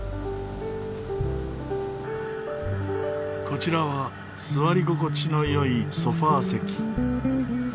こちらは座り心地の良いソファ席。